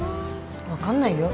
分かんないよ